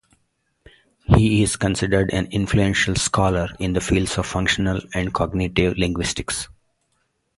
He is considered an influential scholar in the fields of functional and cognitive linguistics.